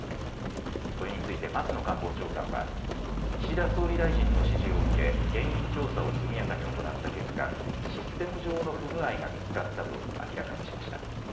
これについて松野官房長官は岸田総理大臣の指示を受け原因調査を速やかに行った結果、システム上の不具合が見つかったと明らかにしました。